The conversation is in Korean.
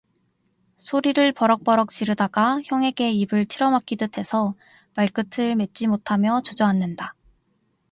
소리를 버럭버럭 지르다가 형에게 입을 틀어막히듯 해서 말끝을 맺지 못하며 주저앉는다.